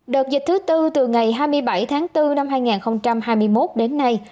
đợt dịch thứ tư từ ngày hai mươi bảy tháng bốn năm hai nghìn hai mươi một đến nay